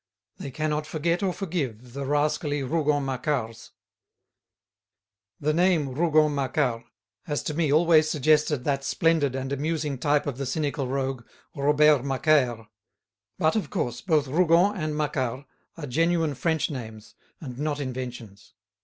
They cannot forget or forgive the rascally Rougon Macquarts. The name Rougon Macquart has to me always suggested that splendid and amusing type of the cynical rogue, Robert Macaire. But, of course, both Rougon and Macquart are genuine French names and not inventions.